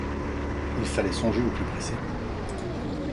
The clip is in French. Il fallait songer au plus pressé.